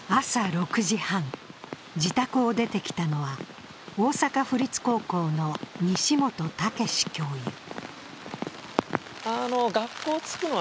朝６時半、自宅を出てきたのは大阪府立高校の西本武史教諭。